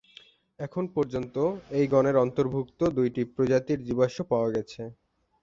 এখন পর্যন্ত এই গণের অন্তর্ভুক্ত দুইটি প্রজাতির জীবাশ্ম পাওয়া গেছে।